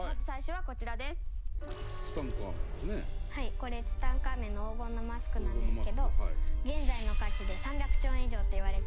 これ、ツタンカーメンの黄金のマスクなんですけど現在の価値で３００兆円以上といわれていて。